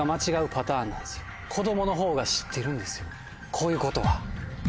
こういうことは。